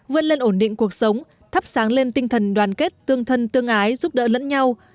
vươn lên ổn định cuộc sống thắp sáng lên tinh thần đoàn kết tương thân tương ái giúp đỡ lẫn nhau